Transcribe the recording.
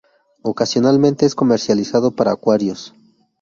Ocasionalmente es comercializado para acuarios.